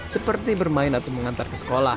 seperti bermain atau mengantar ke sekolah